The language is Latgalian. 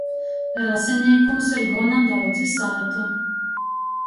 Rasinīkūs ir gona daudzi sātu.